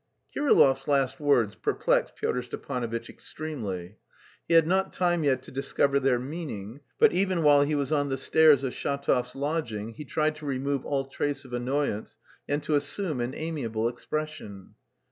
Kirillov's last words perplexed Pyotr Stepanovitch extremely; he had not time yet to discover their meaning, but even while he was on the stairs of Shatov's lodging he tried to remove all trace of annoyance and to assume an amiable expression.